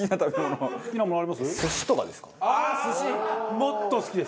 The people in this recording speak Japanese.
もっと好きです。